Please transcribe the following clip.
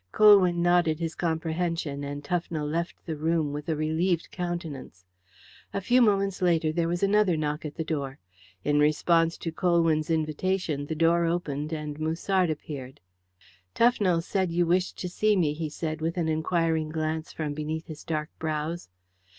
Colwyn nodded his comprehension, and Tufnell left the room with a relieved countenance. A few moments later there was another knock at the door. In response to Colwyn's invitation the door opened, and Musard appeared. "Tufnell said you wished to see me," he said, with an inquiring glance from beneath his dark brows.